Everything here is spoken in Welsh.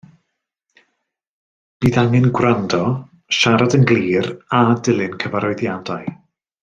Bydd angen gwrando, siarad yn glir a dilyn cyfarwyddiadau.